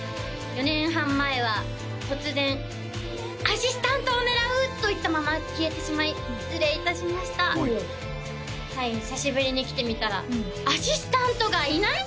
４年半前は突然「アシスタントを狙う！」と言ったまま消えてしまい失礼いたしましたはい久しぶりに来てみたらアシスタントがいない！？